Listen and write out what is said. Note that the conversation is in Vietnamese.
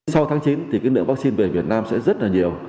sau tháng chín thì cái lượng vaccine về việt nam sẽ rất là nhiều